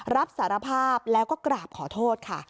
รับสารภาพแล้วก็กราบขอโทษค่ะ